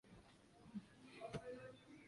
Leta Pombe tulewe